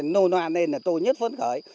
đầu tiên tôi coi nô noan lên là tôi nhất phấn khởi